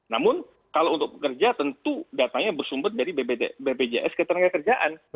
namun kalau untuk pekerja tentu datanya bersumber dari bpjs ketenagakerjaan